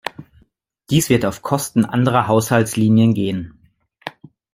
Dies wird auf Kosten anderer Haushaltslinien gehen.